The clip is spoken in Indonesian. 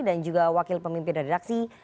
dan juga wakil pemimpin redaksi